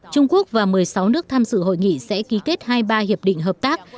trung quốc và một mươi sáu nước tham dự hội nghị sẽ ký kết hai mươi ba hiệp định hợp tác